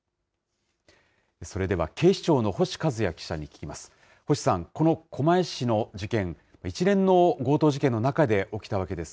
それでは、警視庁の星和也記者に聞きます。